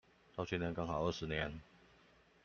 到今年剛好二十年